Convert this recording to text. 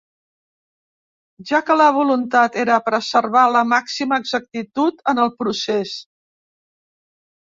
Ja que la voluntat era preservar la màxima exactitud en el procés.